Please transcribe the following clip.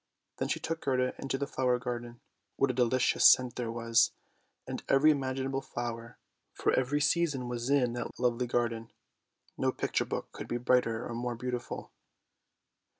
Then she took Gerda into the flower garden. What a delicious scent there was! and every imaginable flower for every season was in that lovely garden ; no picture book could be brighter or more beauti ful.